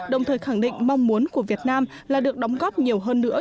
đồng thời khẳng định mong muốn của việt nam là được đóng góp nhiều hơn nữa